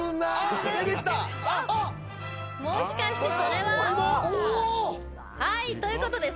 もしかしてそれは？